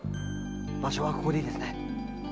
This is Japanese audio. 場所はここでいいですね〕